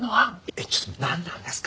えっちょっとなんなんですか？